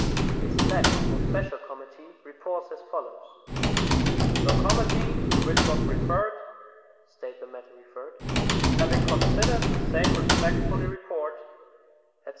A select or special committee reports as follows: "The committee to which was referred [state the matter referred] having considered the same respectfully report," etc.